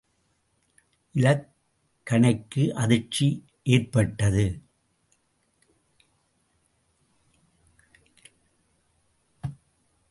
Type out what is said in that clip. இலக்கணைக்கு அதிர்ச்சி ஏற்பட்டது.